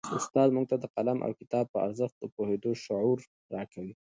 استاد موږ ته د قلم او کتاب په ارزښت د پوهېدو شعور راکوي.